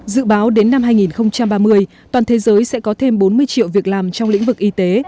dự báo đến năm hai nghìn ba mươi toàn thế giới sẽ có thêm bốn mươi triệu việc làm trong lĩnh vực y tế